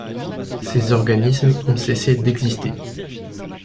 Ces organismes ont cessé d'exister.